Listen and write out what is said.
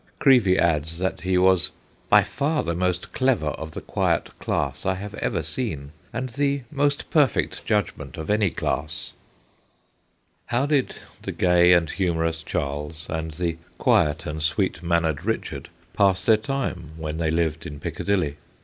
Creevey adds that he was ' by far the most clever of the quiet class I have ever seen, and the most perfect judgment of any class/ How did the gay and humorous Charles, and the quiet and sweet mannered Richard, pass their time when they lived in Picca dilly